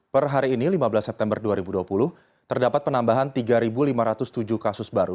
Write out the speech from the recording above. per hari ini lima belas september dua ribu dua puluh terdapat penambahan tiga lima ratus tujuh kasus baru